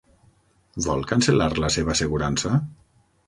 Vol cancel·lar la seva assegurança?